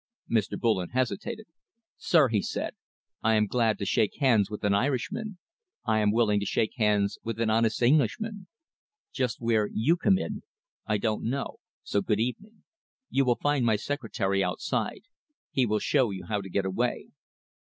Mr. Bullen hesitated. "Sir," he said, "I am glad to shake hands with an Irishman. I am willing to shake hands with an honest Englishman. Just where you come in, I don't know, so good evening. You will find my secretary outside. He will show you how to get away."